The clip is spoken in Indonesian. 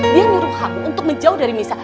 dia nguruh aku untuk menjauh dari misa